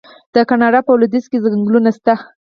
د کاناډا په لویدیځ کې ځنګلونه شته.